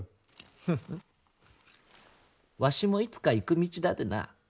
フッわしもいつか行く道だでな。